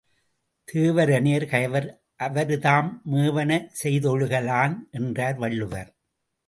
தேவரனையர் கயவர் அவருந்தாம் மேவன செய்தொழுக லான்! என்றார் வள்ளுவர்.